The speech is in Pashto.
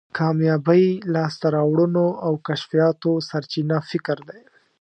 کامیابی، لاسته راوړنو او کشفیاتو سرچینه فکر دی.